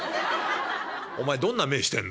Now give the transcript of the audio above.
お前どんな目してんだよ。